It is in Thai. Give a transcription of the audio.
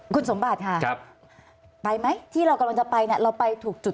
คุณสมบัติค่ะไปไหมที่เรากำลังจะไปเนี่ยเราไปถูกจุด